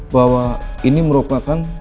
bahwa ini merupakan